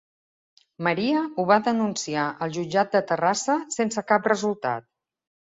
Maria ho va denunciar al jutjat de Terrassa sense cap resultat.